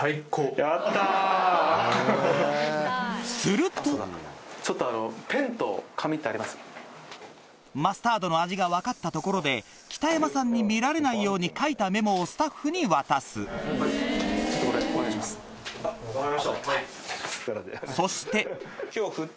するとマスタードの味が分かったところで北山さんに見られないように書いたメモをスタッフに渡すそしてこれをいわゆる。